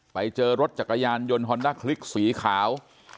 ไปเจอรถจักรยานยนต์ฮอนด้าคลิกสีขาว